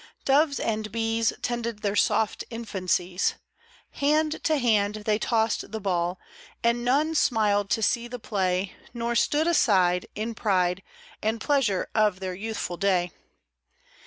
Doves and bees Tended their soft infancies : Hand to hand they tossed the ball, And none smiled to see the play, Nor stood aside In pride And pleasure of their youthful day.